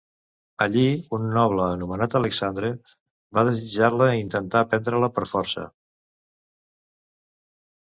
Allí, un noble anomenat Alexandre va desitjar-la i intentà prendre-la per força.